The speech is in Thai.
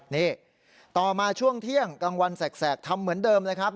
นี่ต่อมาช่วงเที่ยงกลางวันแสกทำเหมือนเดิมเลยครับ